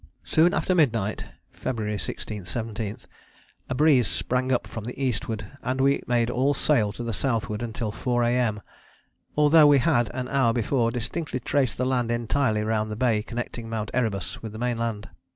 "Soon after midnight (February 16 17) a breeze sprang up from the eastward and we made all sail to the southward until 4 A.M., although we had an hour before distinctly traced the land entirely round the bay connecting Mount Erebus with the mainland.